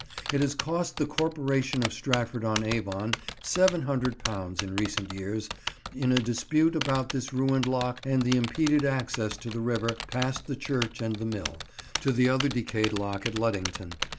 It has cost the Corporation of Stratford on Avon £700 in recent years, in a dispute about this ruined lock and the impeded access to the river past the church and the mill, to the other decayed lock at Luddington.